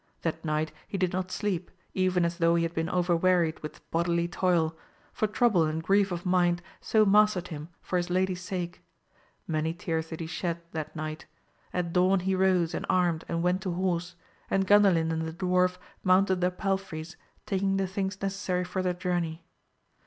That night he did not sleep, even as though he had been overwearied with bodily toil, for trouble and grief of mind so mastered him, for his lady's sake ; many tears did he shed that night ; at dawn he rose and armed and went to horse, and Gandalin and the dwarf mounted their palfreys, taking the things necessary for their journey.